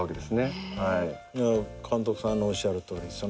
監督さんのおっしゃるとおり。